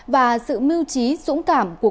và sự mưu tình của các đồng chí và các bạn